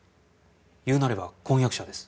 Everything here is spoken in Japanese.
言うなれば婚約者です。